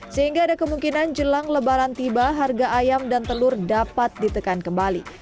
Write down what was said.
sehingga ada kemungkinan jelang lebaran tiba harga ayam dan telur dapat ditekan kembali